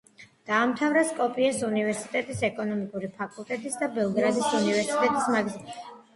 დაამთავრა სკოპიეს უნივერსიტეტის ეკონომიკური ფაკულტეტი და ბელგრადის უნივერსიტეტის მაგისტრატურა.